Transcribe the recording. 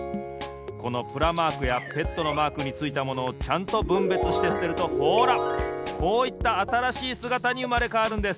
このプラマークやＰＥＴのマークについたものをちゃんとぶんべつしてすてるとほらこういったあたらしいすがたにうまれかわるんです。